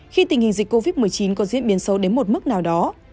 khi tình hình dịch covid một mươi chín có diễn biến sâu đến một mức nào đó